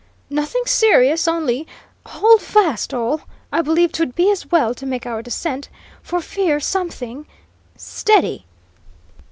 "Nothing serious, only hold fast, all! I believe 'twould be as well to make our descent, for fear something steady!"